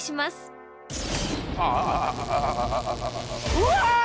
うわ！